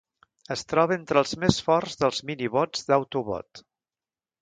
Es troba entre els més forts dels mini-bots d'Autobot.